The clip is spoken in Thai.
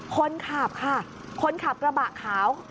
คนขับค่ะคนขับกระบะขาว